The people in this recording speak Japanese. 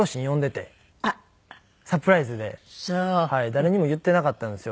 誰にも言ってなかったんですよ